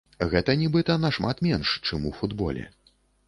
Гэта нібыта нашмат менш, чым у футболе.